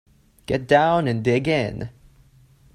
Get down and dig in.